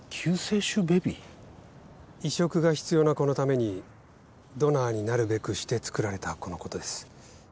移植が必要な子のためにドナーになるべくしてつくられた子のことです。